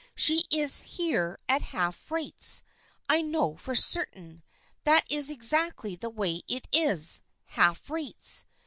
She is here at half rates, I know for certain. That is exactly the way it is — half rates !